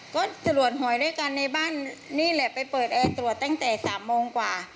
ก็ตรวจหอยด้วยกันในบ้านนี่แหละไปเปิดแอร์ตรวจตั้งแต่๓โมงกว่า